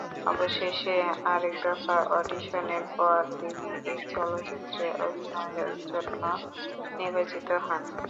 অবশেষে আরেক দফা অডিশনের পর তিনি এই চলচ্চিত্রে অভিনয়ের জন্য নির্বাচিত হন।